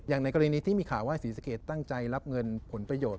ในกรณีที่มีข่าวว่าศรีสะเกดตั้งใจรับเงินผลประโยชน์